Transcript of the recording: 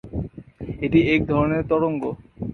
এটি এক ধরনের তরঙ্গ।